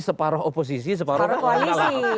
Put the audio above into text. separoh oposisi separoh koalisi